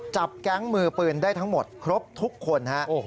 จับแก๊งมือปืนได้ทั้งหมดครบทุกคนฮะ